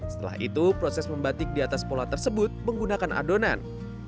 setelah itu proses membatik di atas pola tersebut menggunakan adonan